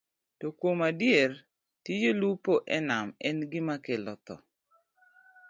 To kuom adier, tij lupo e nam en gima kelo tho.